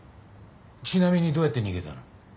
ちなみにどうやって逃げたの？